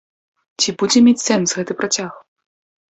Ці будзе мець сэнс гэты працяг?